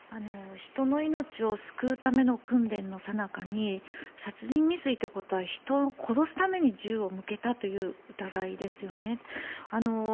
人の命を救うための訓練のさなかに殺人未遂ということは人を殺すために銃を向けたという疑いですよね。